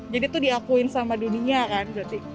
jadi itu diakuin sama dunia kan